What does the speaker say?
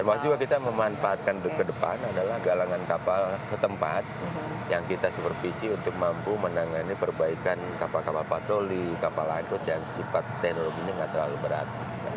terutama juga kita memanfaatkan ke depan adalah galangan kapal setempat yang kita supervisi untuk mampu menangani perbaikan kapal kapal patroli kapal anggot dan sifat teknologi ini tidak terlalu berat